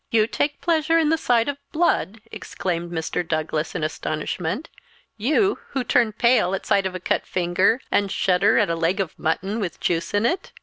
"You take a pleasure in the sight of blood!" exclaimed Mr. Douglas in astonishment, "you who turn pale at sight of a cut finger, and shudder at a leg of mutton with the juice in it!"